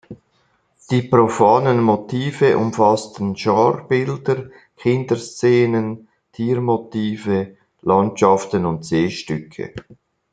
Die profanen Motive umfassten Genrebilder, Kinderszenen, Tiermotive, Landschaften und Seestücke.